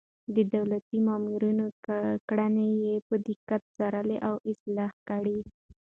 د دولتي مامورينو کړنې يې په دقت څارلې او اصلاح يې کړې.